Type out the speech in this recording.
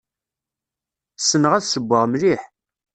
Ssneɣ ad ssewweɣ mliḥ.